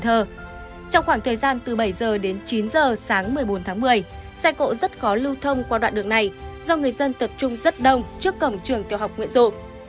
trong khoảng thời gian từ bảy giờ đến chín h sáng một mươi bốn tháng một mươi xe cộ rất khó lưu thông qua đoạn đường này do người dân tập trung rất đông trước cổng trường tiểu học nguyễn du